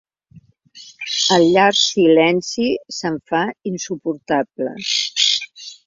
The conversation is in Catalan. El llarg silenci se'm fa insuportable.